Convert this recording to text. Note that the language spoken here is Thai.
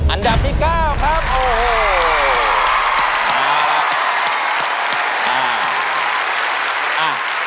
อันดับที่๙ครับโอ้โห